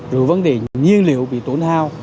rồi vấn đề nhiên liệu bị tốn hao